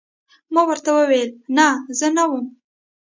ما ورته وویل: نه، زه نه وم.